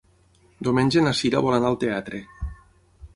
Diumenge na Cira vol anar al teatre.